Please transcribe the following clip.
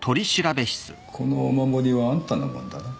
このお守りはあんたのもんだな？